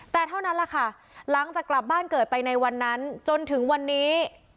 แต่เท่านั้นแหละค่ะหลังจากกลับบ้านเกิดไปในวันนั้นจนถึงวันนี้